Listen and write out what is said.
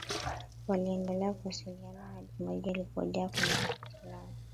waliendelea kuwasiliano had maji yalipojaa kwenye kabati lao